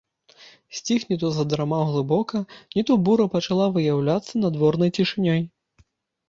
Сціх і ні то задрамаў глыбока, ні то бура пачала выяўляцца надворнай цішынёй.